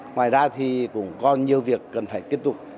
ngoài ra thì cũng còn nhiều việc cần phải tiếp tục